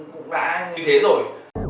kích thước hay kỹ năng quan trọng hơn